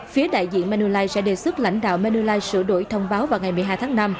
phía đại diện manulife sẽ đề xuất lãnh đạo manuel sửa đổi thông báo vào ngày một mươi hai tháng năm